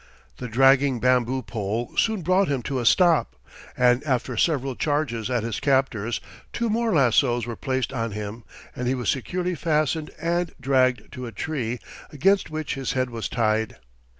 The dragging bamboo pole soon brought him to a stop, and after several charges at his captors, two more lassos were placed on him, and he was securely fastened and dragged to a tree, against which his head was tied.